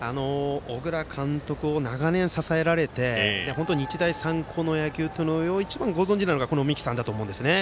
小倉監督を長年、支えられて日大三高の野球を一番、ご存じなのが三木さんだと思うんですね。